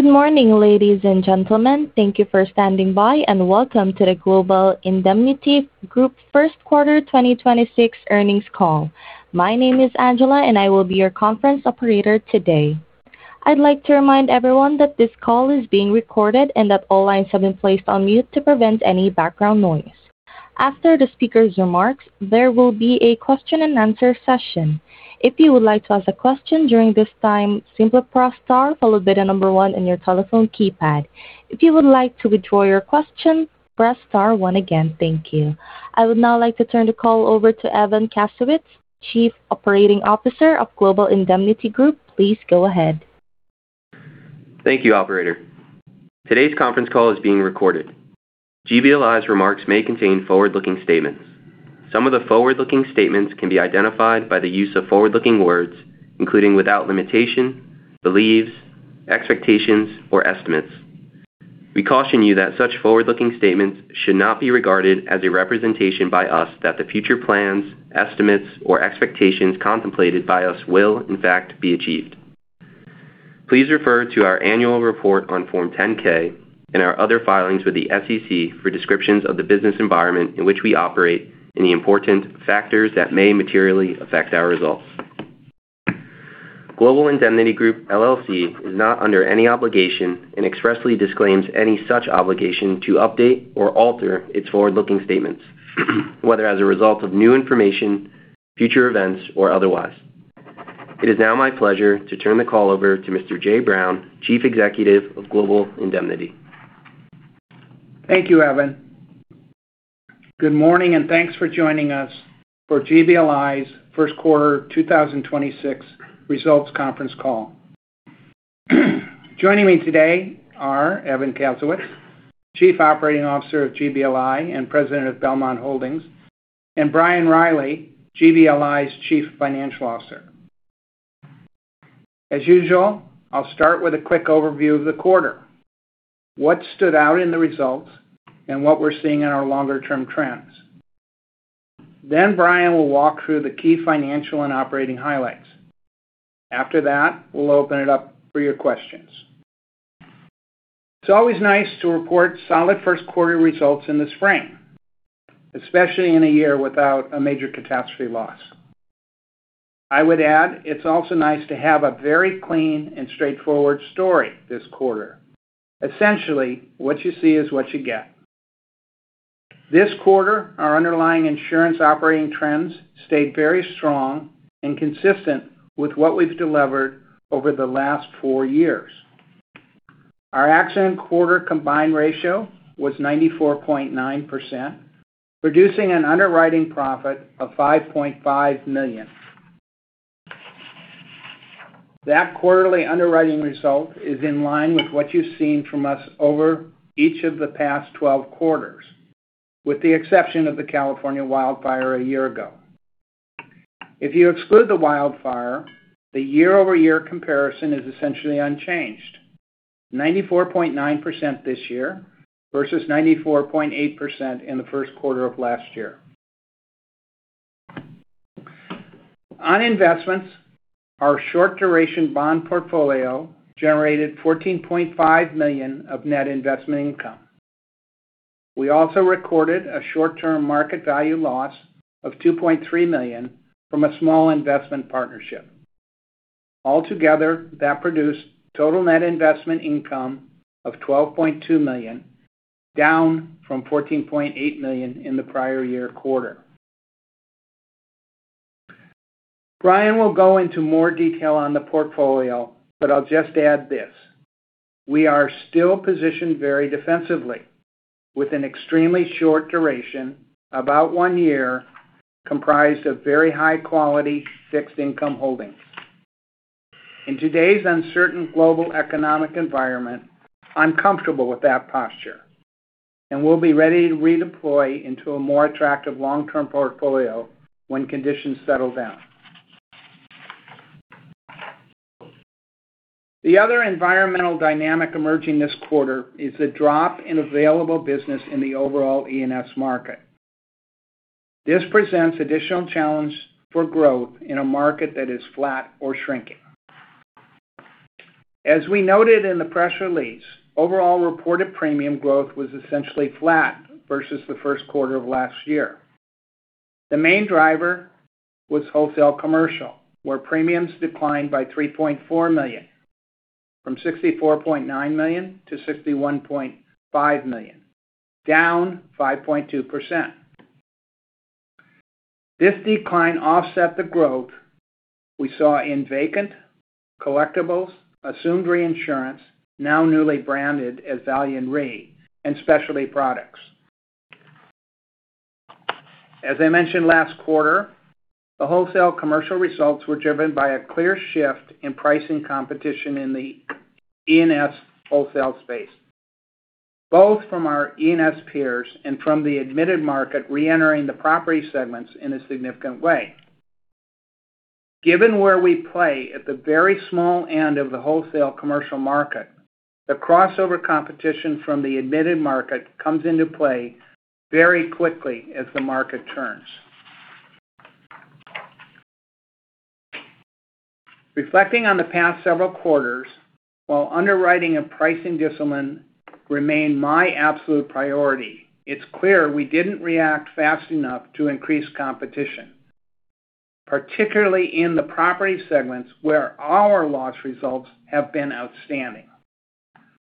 Good morning, ladies and gentlemen. Thank you for standing by, and welcome to the Global Indemnity Group First Quarter 2026 Earnings Call. My name is Angela, and I will be your Conference Operator today. I'd like to remind everyone that this call is being recorded and that all lines have been placed on mute to prevent any background noise. After the speaker's remarks, there will be a question-and-answer session. If you would like to ask a question during this time, simply press star followed by the number one on your telephone keypad. If you would like to withdraw your question, press star one again. Thank you. I would now like to turn the call over to Evan Kasowitz, Chief Operating Officer of Global Indemnity Group. Please go ahead. Thank you, operator. Today's conference call is being recorded. GBLI's remarks may contain forward-looking statements. Some of the forward-looking statements can be identified by the use of forward-looking words, including without limitation, beliefs, expectations, or estimates. We caution you that such forward-looking statements should not be regarded as a representation by us that the future plans, estimates, or expectations contemplated by us will in fact be achieved. Please refer to our annual report on Form 10-K and our other filings with the SEC for descriptions of the business environment in which we operate and the important factors that may materially affect our results. Global Indemnity Group, LLC is not under any obligation and expressly disclaims any such obligation to update or alter its forward-looking statements, whether as a result of new information, future events, or otherwise. It is now my pleasure to turn the call over to Mr. Jay Brown, Chief Executive of Global Indemnity. Thank you, Evan. Good morning, and thanks for joining us for GBLI's First Quarter 2026 Results Conference Call. Joining me today are Evan Kasowitz, Chief Operating Officer of GBLI and President of Belmont Holdings, and Brian Riley, GBLI's Chief Financial Officer. As usual, I'll start with a quick overview of the quarter, what stood out in the results, and what we're seeing in our longer-term trends. Brian will walk through the key financial and operating highlights. After that, we'll open it up for your questions. It's always nice to report solid first quarter results in the spring, especially in a year without a major catastrophe loss. I would add it's also nice to have a very clean and straightforward story this quarter. Essentially, what you see is what you get. This quarter, our underlying insurance operating trends stayed very strong and consistent with what we've delivered over the last four years. Our accident quarter combined ratio was 94.9%, producing an underwriting profit of $5.5 million. That quarterly underwriting result is in line with what you've seen from us over each of the past 12 quarters, with the exception of the California wildfire a year ago. If you exclude the wildfire, the year-over-year comparison is essentially unchanged, 94.9% this year versus 94.8% in the first quarter of last year. On investments, our short-duration bond portfolio generated $14.5 million of net investment income. We also recorded a short-term market value loss of $2.3 million from a small investment partnership. Altogether, that produced total net investment income of $12.2 million, down from $14.8 million in the prior year quarter. Brian will go into more detail on the portfolio, but I'll just add this. We are still positioned very defensively with an extremely short duration, about one year, comprised of very high-quality fixed income holdings. In today's uncertain global economic environment, I'm comfortable with that posture, and we'll be ready to redeploy into a more attractive long-term portfolio when conditions settle down. The other environmental dynamic emerging this quarter is the drop in available business in the overall E&S market. This presents additional challenge for growth in a market that is flat or shrinking. As we noted in the press release, overall reported premium growth was essentially flat versus the first quarter of last year. The main driver was wholesale commercial, where premiums declined by $3.4 million, from $64.9 million to $61.5 million, down 5.2%. This decline offset the growth we saw in Vacant Express, Collectibles Insurance Services, assumed reinsurance, now newly branded as Valian Re, and Specialty Products. As I mentioned last quarter, the wholesale commercial results were driven by a clear shift in pricing competition in the E&S wholesale space, both from our E&S peers and from the admitted market reentering the property segments in a significant way. Given where we play at the very small end of the wholesale commercial market, the crossover competition from the admitted market comes into play very quickly as the market turns. Reflecting on the past several quarters, while underwriting and pricing discipline remain my absolute priority, it's clear we didn't react fast enough to increase competition, particularly in the property segments where our loss results have been outstanding.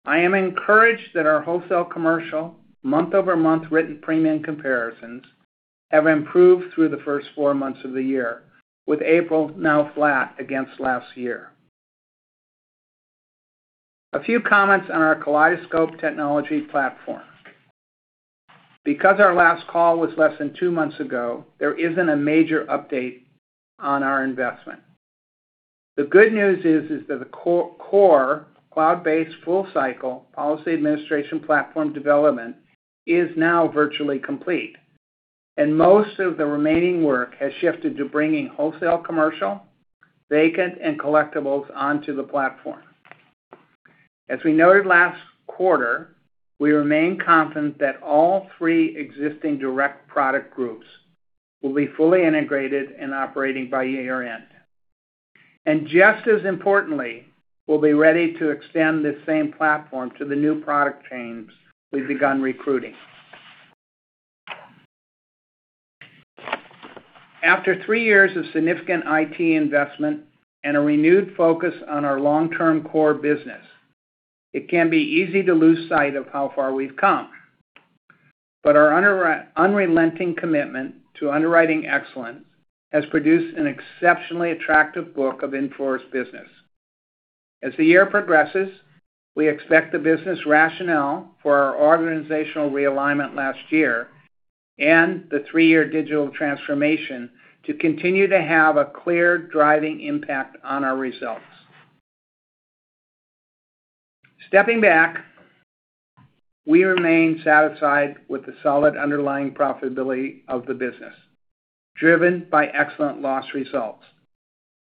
I am encouraged that our wholesale commercial month-over-month written premium comparisons have improved through the first four months of the year, with April now flat against last year. A few comments on our Kaleidoscope technology platform. Because our last call was less than two months ago, there isn't a major update on our investment. The good news is that the core cloud-based full cycle policy administration platform development is now virtually complete, and most of the remaining work has shifted to bringing wholesale commercial, Vacant, and Collectibles onto the platform. As we noted last quarter, we remain confident that all three existing direct product groups will be fully integrated and operating by year-end. Just as importantly, we'll be ready to extend this same platform to the new product teams we've begun recruiting. After three years of significant IT investment and a renewed focus on our long-term core business, it can be easy to lose sight of how far we've come. Our unrelenting commitment to underwriting excellence has produced an exceptionally attractive book of in-force business. As the year progresses, we expect the business rationale for our organizational realignment last year and the three-year digital transformation to continue to have a clear driving impact on our results. Stepping back, we remain satisfied with the solid underlying profitability of the business, driven by excellent loss results.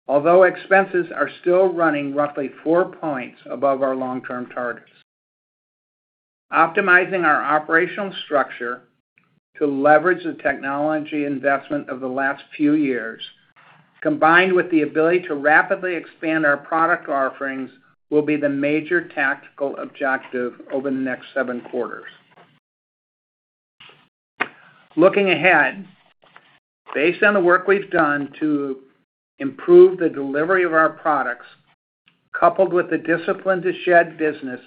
Although expenses are still running roughly four points above our long-term targets. Optimizing our operational structure to leverage the technology investment of the last few years, combined with the ability to rapidly expand our product offerings, will be the major tactical objective over the next seven quarters. Looking ahead, based on the work we've done to improve the delivery of our products, coupled with the discipline to shed business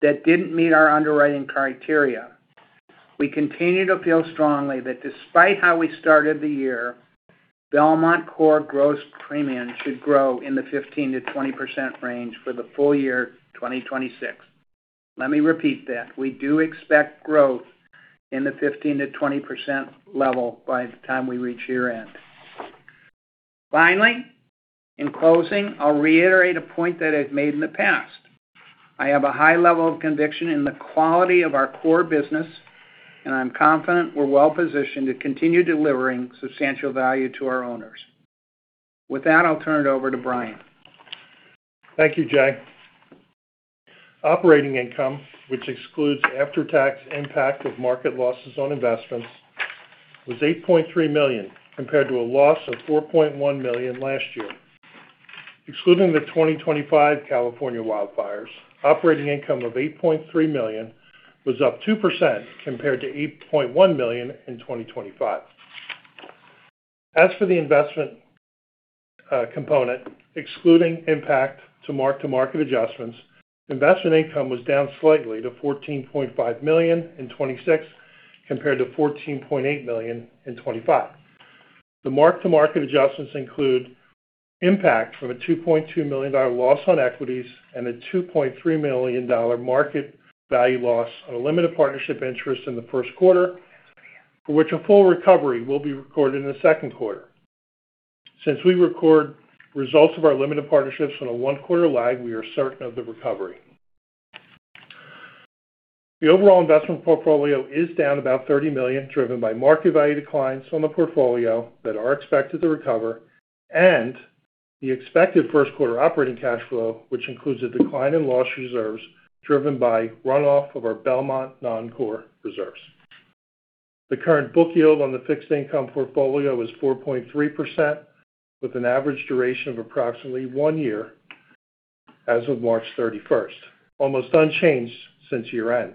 that didn't meet our underwriting criteria, we continue to feel strongly that despite how we started the year, Belmont core gross premium should grow in the 15%-20% range for the full year 2026. Let me repeat that. We do expect growth in the 15%-20% level by the time we reach year-end. Finally, in closing, I'll reiterate a point that I've made in the past. I have a high level of conviction in the quality of our core business, and I'm confident we're well-positioned to continue delivering substantial value to our owners. With that, I'll turn it over to Brian. Thank you, Jay. Operating income, which excludes after-tax impact of market losses on investments, was $8.3 million, compared to a loss of $4.1 million last year. Excluding the 2025 California wildfires, operating income of $8.3 million was up 2% compared to $8.1 million in 2025. As for the investment component, excluding impact to mark-to-market adjustments, investment income was down slightly to $14.5 million in 2026 compared to $14.8 million in 2025. The mark-to-market adjustments include impact from a $2.2 million loss on equities and a $2.3 million market value loss on a limited partnership interest in the first quarter, for which a full recovery will be recorded in the second quarter. Since we record results of our limited partnerships on a one-quarter lag, we are certain of the recovery. The overall investment portfolio is down about $30 million, driven by market value declines from the portfolio that are expected to recover, and the expected first quarter operating cash flow, which includes a decline in loss reserves driven by runoff of our Belmont non-core reserves. The current book yield on the fixed income portfolio was 4.3%, with an average duration of approximately one year as of March 31st, almost unchanged since year-end,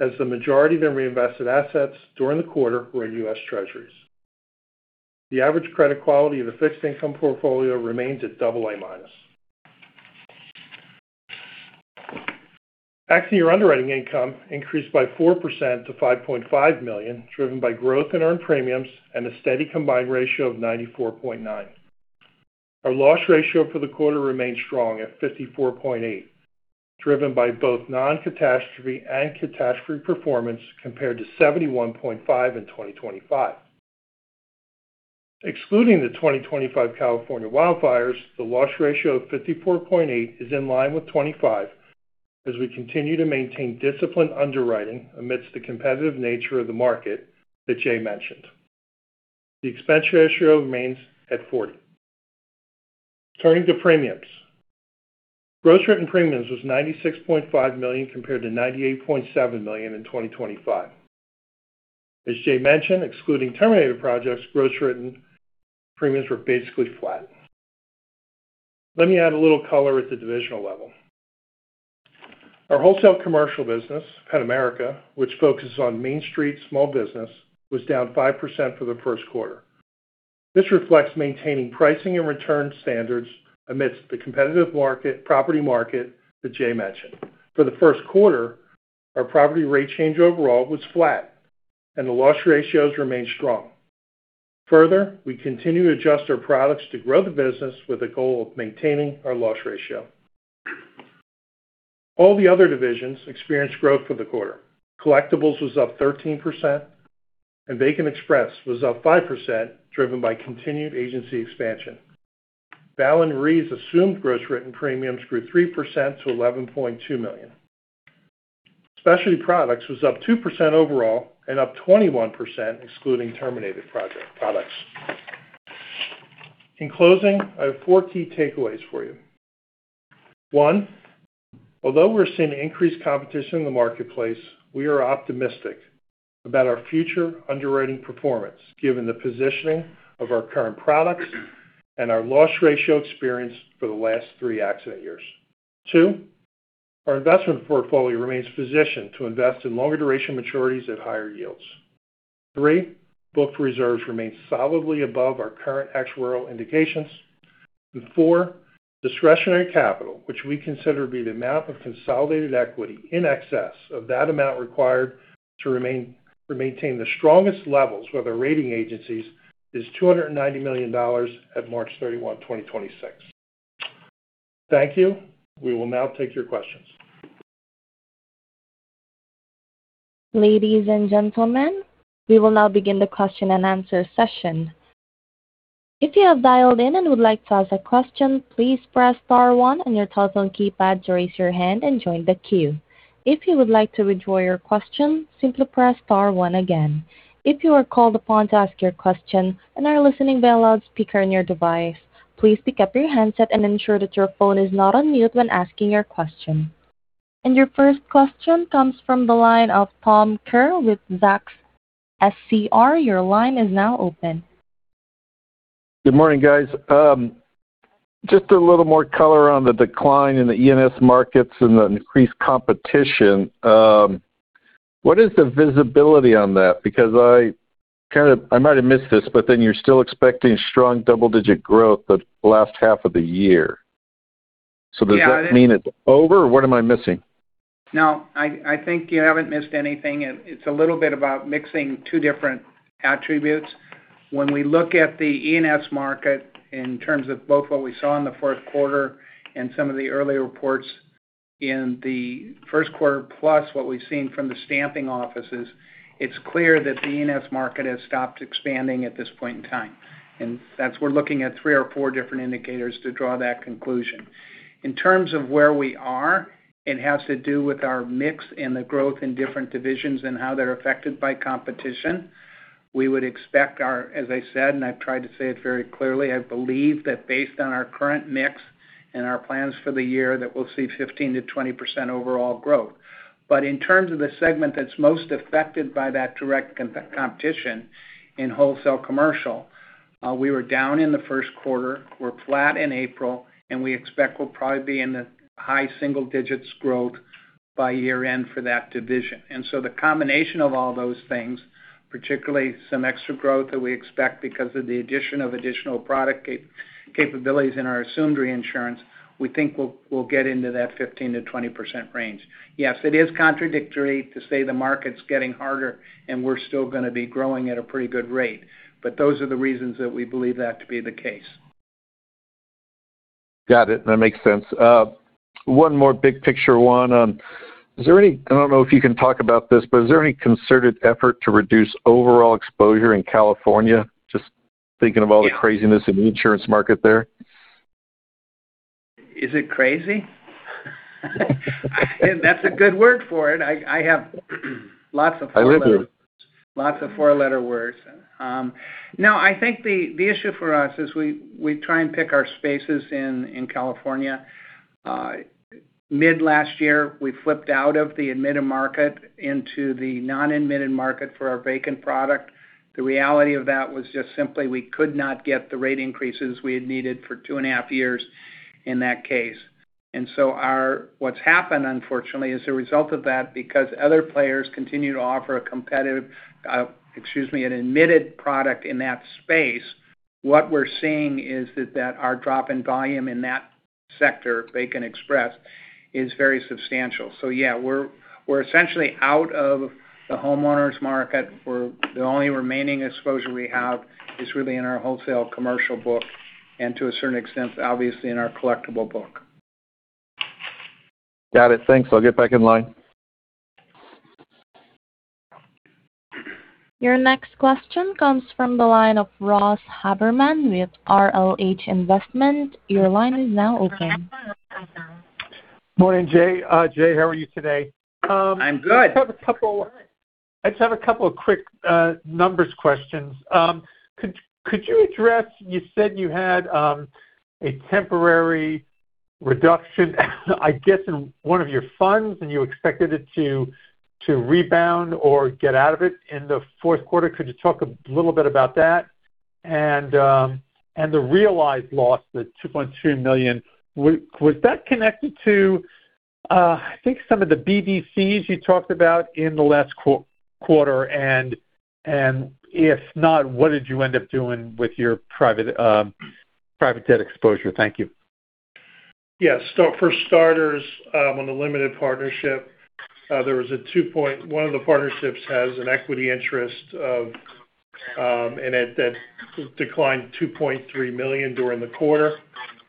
as the majority of the reinvested assets during the quarter were in U.S. Treasuries. The average credit quality of the fixed income portfolio remains at double A-minus. Actually, our underwriting income increased by 4% to $5.5 million, driven by growth in earned premiums and a steady combined ratio of 94.9%. Our loss ratio for the quarter remained strong at 54.8%, driven by both non-catastrophe and catastrophe performance compared to 71.5% in 2025. Excluding the 2025 California wildfires, the loss ratio of 54.8% is in line with 2025 as we continue to maintain disciplined underwriting amidst the competitive nature of the market that Jay mentioned. The expense ratio remains at 40%. Turning to premiums. Gross written premiums was $96.5 million compared to $98.7 million in 2025. As Jay mentioned, excluding terminated projects, gross written premiums were basically flat. Let me add a little color at the divisional level. Our wholesale commercial business, Penn-America, which focuses on Main Street small business, was down 5% for the first quarter. This reflects maintaining pricing and return standards amidst the competitive market, property market that Jay mentioned. For the first quarter, our property rate change overall was flat, and the loss ratios remained strong. Further, we continue to adjust our products to grow the business with a goal of maintaining our loss ratio. All the other divisions experienced growth for the quarter. Collectibles was up 13%, and Vacant Express was up 5%, driven by continued agency expansion. Valian Re's assumed gross written premiums grew 3% to $11.2 million. Specialty Products was up 2% overall and up 21% excluding terminated project products. In closing, I have four key takeaways for you. One, although we're seeing increased competition in the marketplace, we are optimistic about our future underwriting performance given the positioning of our current products and our loss ratio experience for the last three accident years. Two, our investment portfolio remains positioned to invest in longer duration maturities at higher yields. Three, booked reserves remain solidly above our current actuarial indications. Four, discretionary capital, which we consider to be the amount of consolidated equity in excess of that amount required to maintain the strongest levels with our rating agencies, is $290 million at March 31, 2026. Thank you. We will now take your questions. Your first question comes from the line of Tom Kerr with Zacks SCR. Your line is now open. Good morning, guys. Just a little more color on the decline in the E&S markets and the increased competition. What is the visibility on that? I might have missed this. You're still expecting strong double-digit growth the last half of the year. Does that mean it's over, or what am I missing? No, I think you haven't missed anything. It's a little bit about mixing two different attributes. When we look at the E&S market in terms of both what we saw in the fourth quarter and some of the earlier reports in the first quarter, plus what we've seen from the stamping offices, it's clear that the E&S market has stopped expanding at this point in time. That's we're looking at three or four different indicators to draw that conclusion. In terms of where we are, it has to do with our mix and the growth in different divisions and how they're affected by competition. We would expect our, as I said, and I've tried to say it very clearly, I believe that based on our current mix and our plans for the year, that we'll see 15%-20% overall growth. In terms of the segment that's most affected by that direct competition in wholesale commercial, we were down in the first quarter, we're flat in April, and we expect we'll probably be in the high single digits growth by year-end for that division. The combination of all those things, particularly some extra growth that we expect because of the addition of additional product capabilities in our assumed reinsurance, we think we'll get into that 15%-20% range. Yes, it is contradictory to say the market's getting harder and we're still gonna be growing at a pretty good rate, but those are the reasons that we believe that to be the case. Got it. That makes sense. One more big picture one on, I don't know if you can talk about this, but is there any concerted effort to reduce overall exposure in California? Just thinking of all the craziness in the insurance market there. Is it crazy? That's a good word for it. I have lots of... A little bit.... Lots of four-letter words. No, I think the issue for us is we try and pick our spaces in California. Mid last year, we flipped out of the admitted market into the non-admitted market for our Vacant product. The reality of that was just simply we could not get the rate increases we had needed for 2.5 years in that case. What's happened, unfortunately, as a result of that, because other players continue to offer a competitive, excuse me, an admitted product in that space, what we're seeing is that our drop in volume in that sector, Vacant Express, is very substantial. Yeah, we're essentially out of the homeowners market. The only remaining exposure we have is really in our wholesale commercial book and to a certain extent, obviously in our collectible book. Got it. Thanks. I'll get back in line. Your next question comes from the line of Ross Haberman with RLH Investments. Your line is now open. Morning, Jay. Jay, how are you today? I'm good. I just have a couple of quick numbers questions. Could you address-- You said you had a temporary reduction, I guess, in one of your funds, and you expected it to rebound or get out of it in the fourth quarter. Could you talk a little bit about that? The realized loss, the $2.2 million, was that connected to, I think some of the BDCs you talked about in the last quarter? If not, what did you end up doing with your private private debt exposure? Thank you. Yes. For starters, on the limited partnership, one of the partnerships has an equity interest that declined $2.3 million during the quarter.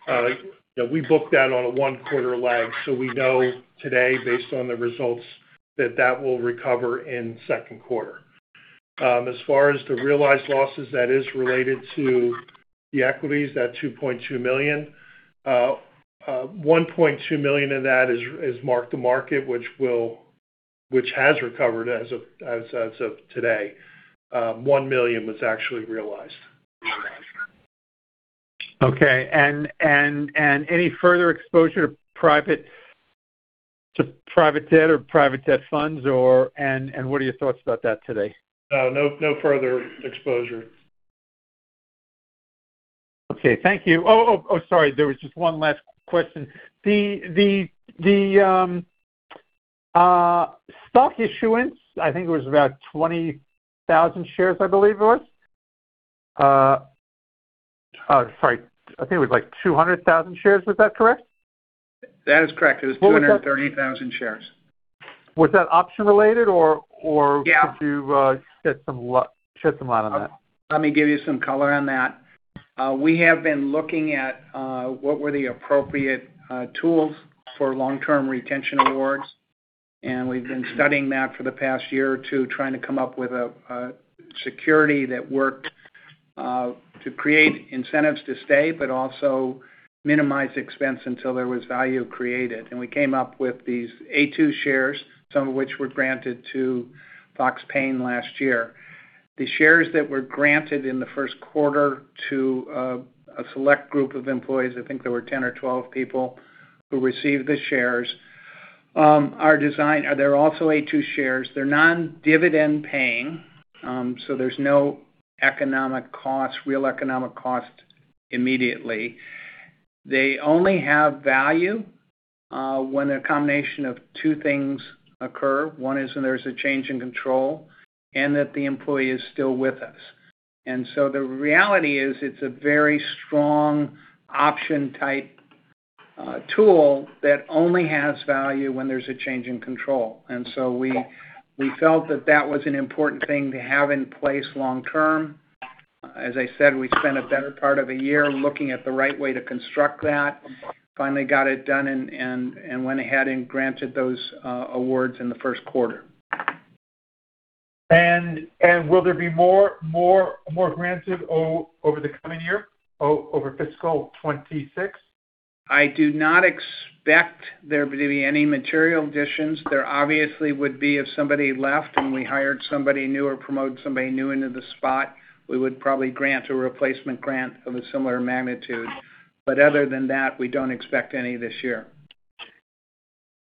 You know, we book that on a one-quarter lag, so we know today, based on the results, that that will recover in second quarter. As far as the realized losses, that is related to the equities, that $2.2 million. $1.2 million in that is mark-to-market, which has recovered as of today. $1 million was actually realized. Okay. Any further exposure to private debt or private debt funds? What are your thoughts about that today? No, no further exposure. Okay. Thank you. Sorry, there was just one last question. The stock issuance, I think it was about 20,000 shares, I believe it was. Sorry, I think it was like 200,000 shares. Is that correct? That is correct. It was 230,000 shares. Was that option related or? Yeah Could you shed some light on that? Let me give you some color on that. We have been looking at what were the appropriate tools for long-term retention awards, and we've been studying that for the past year or two, trying to come up with a security that worked to create incentives to stay, but also minimize expense until there was value created. We came up with these A-2 shares, some of which were granted to Fox Paine last year. The shares that were granted in the first quarter to a select group of employees, I think there were 10 or 12 people who received the shares, are designed. They are also A-2 shares. They're non-dividend paying, so there's no economic cost, real economic cost immediately. They only have value when a combination of two things occur. One is when there's a change in control and that the employee is still with us. The reality is it's a very strong option-type tool that only has value when there's a change in control. We felt that that was an important thing to have in place long term. As I said, we spent a better part of a year looking at the right way to construct that, finally got it done and went ahead and granted those awards in the first quarter. Will there be more granted over the coming year, over fiscal 2026? I do not expect there to be any material additions. There obviously would be if somebody left and we hired somebody new or promote somebody new into the spot, we would probably grant a replacement grant of a similar magnitude. Other than that, we don't expect any this year.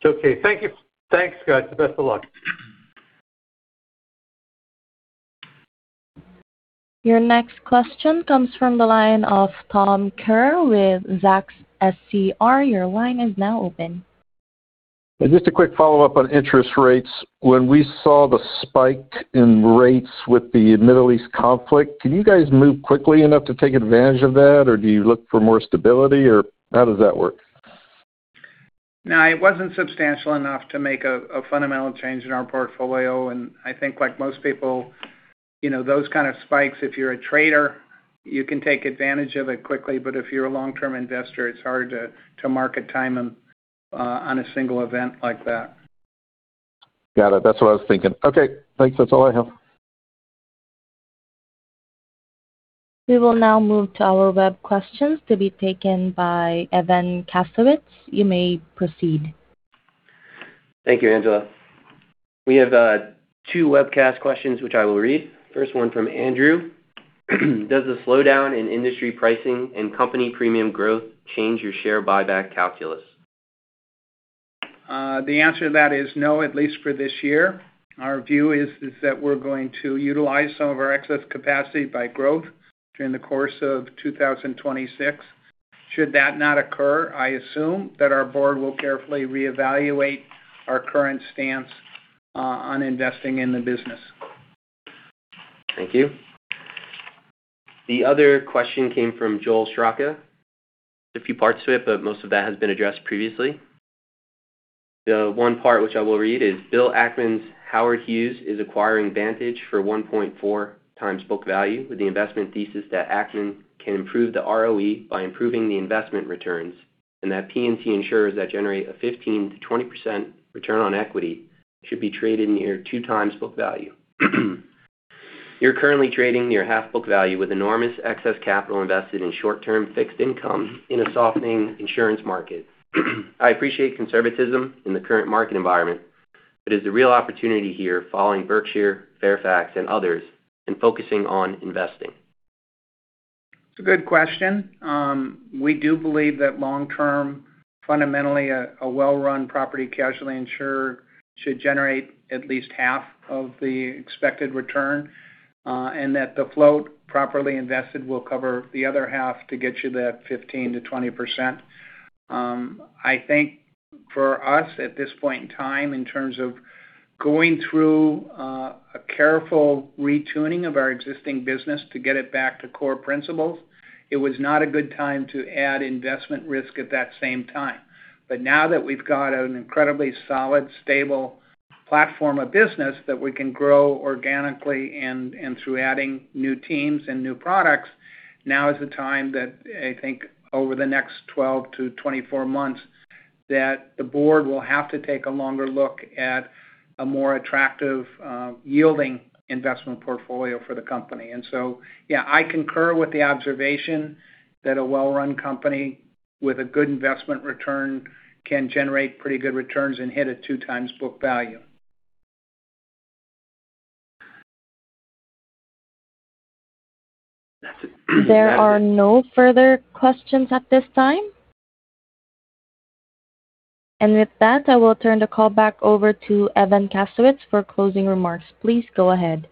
Okay. Thank you. Thanks, guys. The best of luck. Your next question comes from the line of Tom Kerr with Zacks SCR. Your line is now open. Just a quick follow-up on interest rates. When we saw the spike in rates with the Middle East conflict, can you guys move quickly enough to take advantage of that, or do you look for more stability, or how does that work? No, it wasn't substantial enough to make a fundamental change in our portfolio. I think like most people, you know, those kind of spikes, if you're a trader, you can take advantage of it quickly. If you're a long-term investor, it's hard to market time on a single event like that. Got it. That's what I was thinking. Okay, thanks. That's all I have. We will now move to our web questions to be taken by Evan Kasowitz. You may proceed. Thank you, Angela. We have two webcast questions which I will read. First one from Andrew: Does the slowdown in industry pricing and company premium growth change your share buyback calculus? The answer to that is no, at least for this year. Our view is that we're going to utilize some of our excess capacity by growth during the course of 2026. Should that not occur, I assume that our board will carefully reevaluate our current stance on investing in the business. Thank you. The other question came from Joel Straka. There's a few parts to it, but most of that has been addressed previously. The one part which I will read is: Bill Ackman's Howard Hughes is acquiring Vantage for 1.4 times book value with the investment thesis that Ackman can improve the ROE by improving the investment returns, and that P&C insurers that generate a 15%-20% return on equity should be traded near two times book value. You're currently trading your half book value with enormous excess capital invested in short-term fixed income in a softening insurance market. I appreciate conservatism in the current market environment, is the real opportunity here following Berkshire, Fairfax, and others and focusing on investing? It's a good question. We do believe that long-term, fundamentally, a well-run property casualty insurer should generate at least half of the expected return, and that the float properly invested will cover the other half to get you that 15%-20%. I think for us, at this point in time, in terms of going through, a careful retuning of our existing business to get it back to core principles, it was not a good time to add investment risk at that same time. Now that we've got an incredibly solid, stable platform of business that we can grow organically and through adding new teams and new products, now is the time that I think over the next 12 to 24 months that the board will have to take a longer look at a more attractive, yielding investment portfolio for the company. Yeah, I concur with the observation that a well-run company with a good investment return can generate pretty good returns and hit a two times book value. That's it. There are no further questions at this time. With that, I will turn the call back over to Evan Kasowitz for closing remarks. Please go ahead.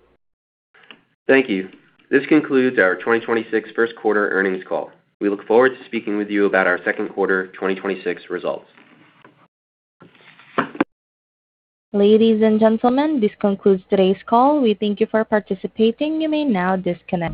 Thank you. This concludes our 2026 First Quarter Earnings Call. We look forward to speaking with you about our Second Quarter 2026 Results. Ladies and gentlemen, this concludes today's call. We thank you for participating. You may now disconnect.